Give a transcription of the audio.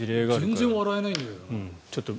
全然笑えないんだけど。